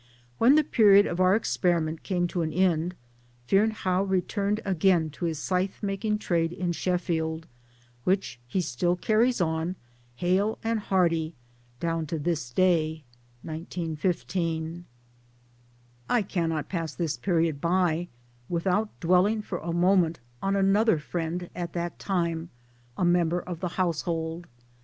When the period of our experiment came to an end, Fearnehough returned again to his scythe making trade in Sheffield, which 1 he still carries on, hale and hearty, down to this day I cannot pass this period by without dwelling for MILLTHORPE AND, HOUSEHOLD LIFE 153 a moment on another friend at that time a member of the household.